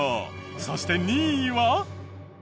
そして２位は。